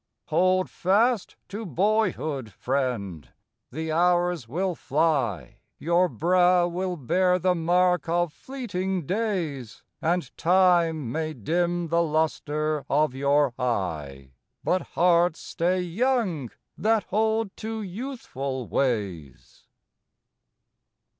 Hold fast to Boyhood, Friend! The hours will fly; Your brow will bear the mark of fleeting days, And Time may dim the luster of your eye, But hearts stay young that hold to youthful ways.